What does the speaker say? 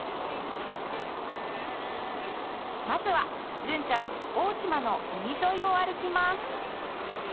まずは純ちゃん大島の海沿いを歩きます